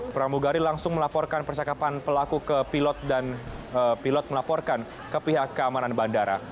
pramugari langsung melaporkan percakapan pelaku ke pilot dan pilot melaporkan ke pihak keamanan bandara